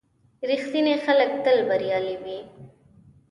• رښتیني خلک تل بریالي وي.